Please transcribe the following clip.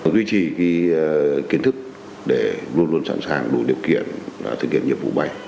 duy trì kiến thức để luôn luôn sẵn sàng đủ điều kiện thực hiện nhiệm vụ bay